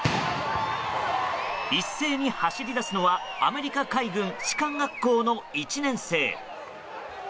一斉に走り出すのはアメリカ海軍士官学校の１年生。